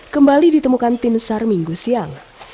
kembali ditemukan timsar minggu siang